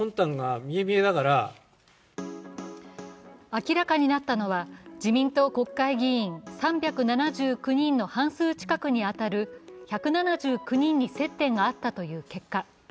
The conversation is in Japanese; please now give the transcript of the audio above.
明らかになったのは自民党国会議員３７９人の半数近くに当たる１７９人に接点があったという結果。